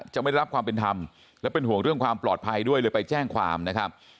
ไม่รับความเป็นธรรมและเป็นห่วงเรื่องความปลอดภัยด้วยเลยไปแจ้งความนะครับ